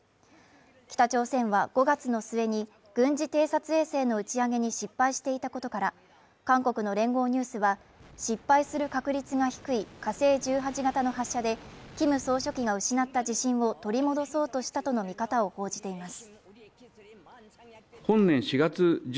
北朝鮮は５月の末に軍事偵察衛星の打ち上げに失敗していたことから韓国の聯合ニュースは、失敗する確率が低い火星１８型の発射でキム総書記が失った自信を取り戻そうとしたとの見方を報じています。